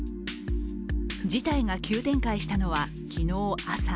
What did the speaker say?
事態が急展開したのは昨日朝。